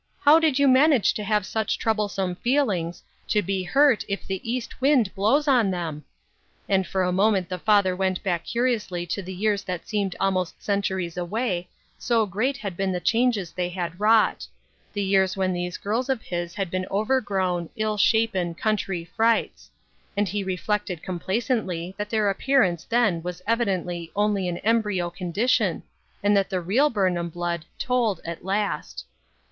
How did you manage to have such troublesome feelings, to be hurt if the east wind blows on them ?" And for a moment the father went back curiously to the years that seemed almost centuries away, so great had been the changes they had wrought ; the years when these girls of his had been overgrown, ill shapen, country frights ; and he reflected com placently that their appearance then was evidently only an embryo condition, and that the real Burn ham blood "told" at last.